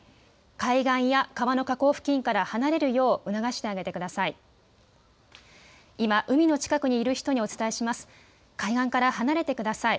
海岸や川の河口付近から離れるよう促してあげてください。